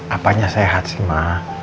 apanya sehat sih ma